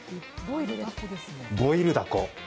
ボイルだこ。